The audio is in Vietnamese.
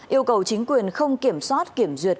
yêu cầu chính quyền không kiểm soát kiểm duyệt